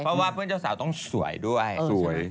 เพราะว่าเพื่อนเจ้าสาวต้องสวยด้วยสวย